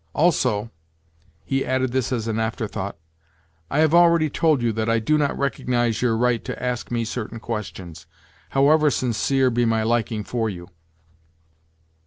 Also"—he added this as an afterthought—"I have already told you that I do not recognise your right to ask me certain questions, however sincere be my liking for you."